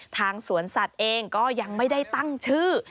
ทางสวนสัตว์เองก็ยังไม่ได้ตั้งชื่อ